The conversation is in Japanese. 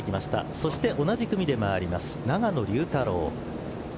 そして同じ組で回る永野竜太郎。